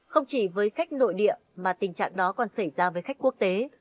không chỉ với khách nội địa mà tình trạng đó còn xảy ra với khách quốc tế